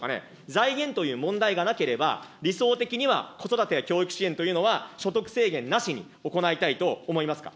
財源という問題がなければ、理想的には子育てや教育支援というのは、所得制限なしに行いたいと思いますか。